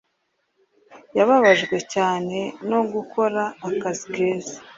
Yababajwe cyane no gukora akazi keza.